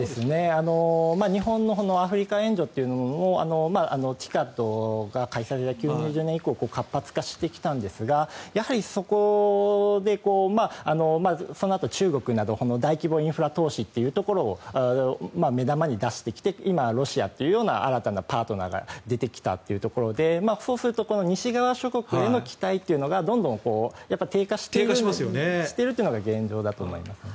日本のアフリカ援助というのもＴＩＣＡＤが開催された９０年以降活発化してきたんですがやはりそこでそのあと中国など大規模インフラ投資というところを目玉に出してきて今、ロシアというような新たなパートナーが出てきたというところでそうすると西側諸国への期待というのがどんどん低下しているというのが現状だと思います。